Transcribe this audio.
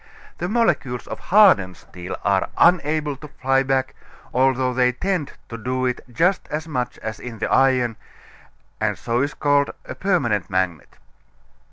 The molecules of hardened steel are unable to fly back, although they tend to do it just as much as in the iron, and so it is called a permanent magnet.